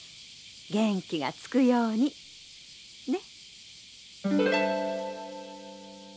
元気がつくように。ね。